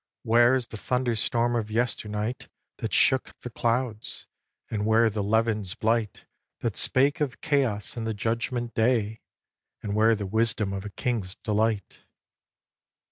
Where is the thunderstorm of yesternight That shook the clouds? And where the levin's blight That spake of chaos and the Judgment Day? And where the wisdom of a king's delight?